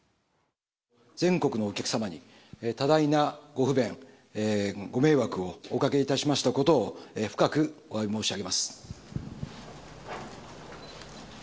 全国のお客様に、多大なご不便、ご迷惑をおかけいたしましたことを、深くおわび申し上げます。